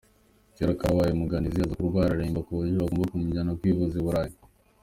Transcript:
Kera karabaye Munyanganizi aza kurwara araremba ku buryo bagomba kumujyana kwivuriza i Burayi.